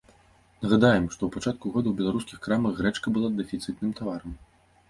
Нагадаем, што ў пачатку года ў беларускіх крамах грэчка была дэфіцытным таварам.